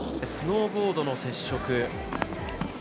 スノーボードの接触。